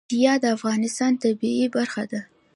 پکتیکا د افغانستان د طبیعت برخه ده.